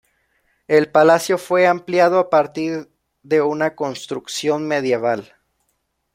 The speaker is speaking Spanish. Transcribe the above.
El palacio fue ampliado a partir de una construcción medieval.